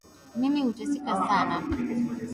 Mimi huteseka sana